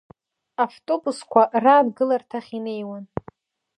Автобусқәа раангыларҭахь инеиуан.